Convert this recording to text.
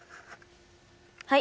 はい。